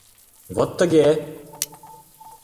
— Вот тыге!